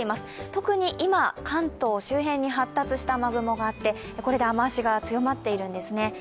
特に今、関東周辺に発達した雨雲があってこれで雨足が強まっているんですね。